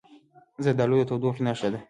زردالو د تودوخې نښه ده.